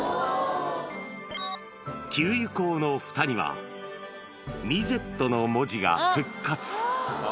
給油口のふたには、ミゼットの文字が復活。